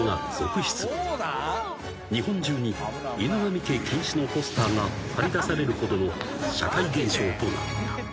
［日本中に「犬神家禁止」のポスターが張り出されるほどの社会現象となった］